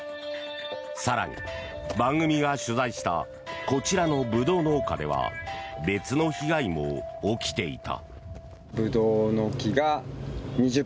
更に、番組が取材したこちらのブドウ農家では別の被害も起きていた。